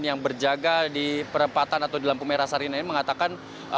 yang berjaga di perempatan atau di lampu merah sarina ini mengatakan